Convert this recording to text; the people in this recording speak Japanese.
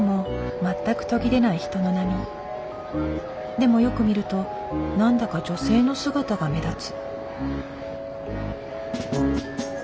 でもよく見ると何だか女性の姿が目立つ。